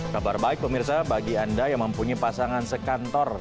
kabar baik pemirsa bagi anda yang mempunyai pasangan sekantor